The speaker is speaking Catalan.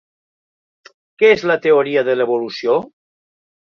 Què és la teoria de l'evolució?